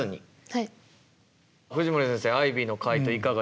はい。